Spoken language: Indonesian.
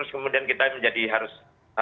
kemudian kita menjadi harus